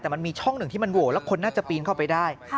แต่มันมีช่องหนึ่งที่มันโหวตแล้วคนน่าจะปีนเข้าไปได้